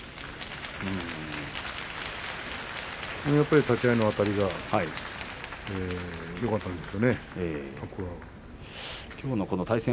やっぱり立ち合いのあたりがよかったんじゃないですか。